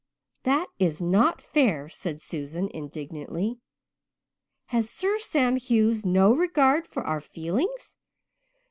"That is not fair," said Susan indignantly. "Has Sir Sam Hughes no regard for our feelings?